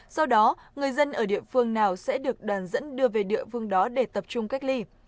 do đó người dân ở địa phương nào sẽ được đoàn dẫn đưa về địa phương đó để tập trung cách ly